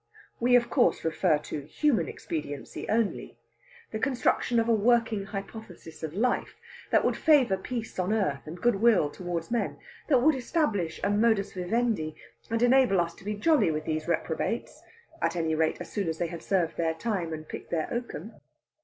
We of course refer to Human Expediency only the construction of a working hypothesis of Life, that would favour peace on earth and good will towards men; that would establish a modus vivendi, and enable us to be jolly with these reprobates at any rate, as soon as they had served their time and picked their oakum.